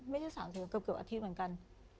ไม่ใช่๓๐เกือบอาทิตย์เหมือนกัน